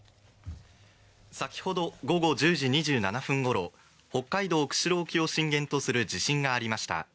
先ほど午後１０時２７分ごろ北海道釧路沖を震源とする地震がありました。